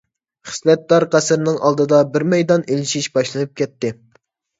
خىسلەتدار قەسىرنىڭ ئالدىدا بىر مەيدان ئېلىشىش باشلىنىپ كەتتى.